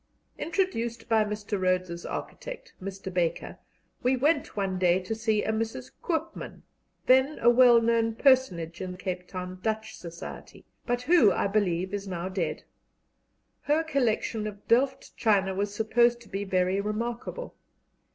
Introduced by Mr. Rhodes's architect, Mr. Baker, we went one day to see a Mrs. Koopman, then a well known personage in Cape Town Dutch society, but who, I believe, is now dead. Her collection of Delft china was supposed to be very remarkable.